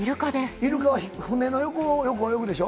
イルカは船の横をよく泳ぐでしょ？